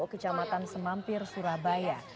kecamatan semampir surabaya